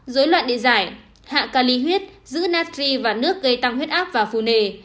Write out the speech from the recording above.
dối loạn địa giải hạ ca ly huyết giữ natri và nước gây tăng huyết áp và phù nề